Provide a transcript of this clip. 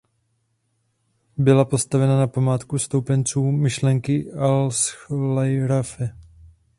Byla postavena na památku stoupenců myšlenky Allschlaraffie.